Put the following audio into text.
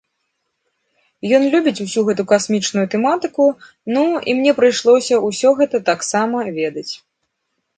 Ён любіць усю гэтую касмічную тэматыку, ну, і мне прыйшлося ўсё гэта таксама ведаць.